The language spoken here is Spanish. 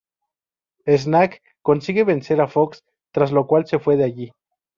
Snake consigue vencer a Fox, tras lo cual se fue de allí.